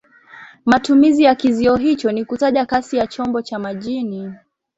Matumizi ya kizio hicho ni kutaja kasi ya chombo cha majini.